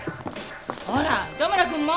ほら糸村くんも！